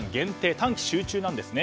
短期集中なんですね。